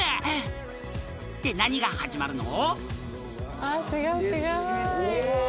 ［って何が始まるの？］